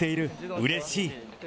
うれしい。